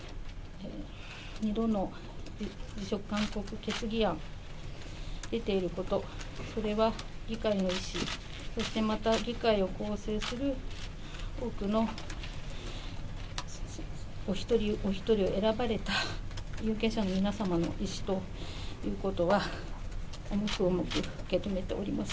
２度の辞職勧告決議案出ていること、それは議会の意思、そしてまた議会を構成する多くのお一人お一人選ばれた有権者の皆様の意思ということは、重く重く受け止めております。